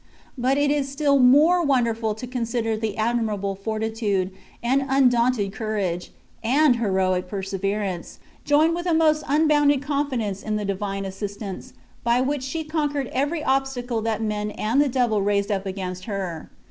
But it is still more wonder ful to consider the admirable fortitude, and undaunted courage, and heroic perseverance, joined with a most unboimded confidence in the divine assistance, by which she conquered every obstacle that men and the devil raised up against her.